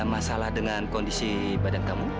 masalah dengan kondisi badan kamu